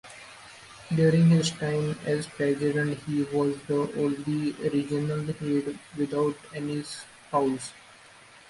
During his time as president, he was the only regional head without any spouse.